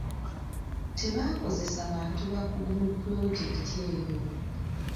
Tebaakozesa bantu bakugu mu pulojekiti eyo.